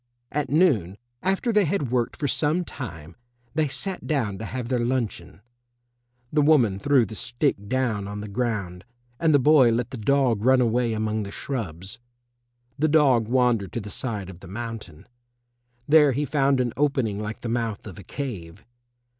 At noon, after they had worked for some time, they sat down to have their luncheon. The woman threw the stick down on the ground, and the boy let the dog run away among the shrubs. The dog wandered to the side of the mountain. There he found an opening like the mouth of a cave.